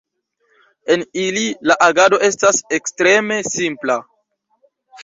En ili la agado estas ekstreme simpla.